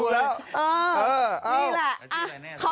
นี่แหละ